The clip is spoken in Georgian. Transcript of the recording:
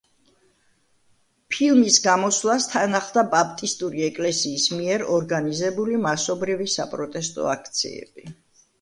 ფილმის გამოსვლას თან ახლდა ბაპტისტური ეკლესიის მიერ ორგანიზებული მასობრივი საპროტესტო აქციები.